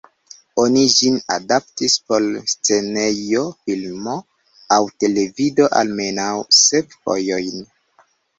Oni ĝin adaptis por scenejo, filmo, aŭ televido almenaŭ sep fojojn.